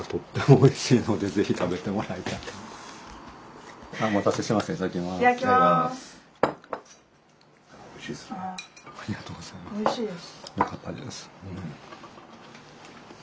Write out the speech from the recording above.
おいしいです。